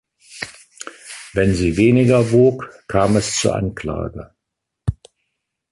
Wenn sie weniger wog, kam es zur Anklage.